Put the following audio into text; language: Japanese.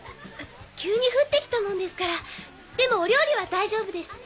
急に降って来たもんですからでもお料理は大丈夫です。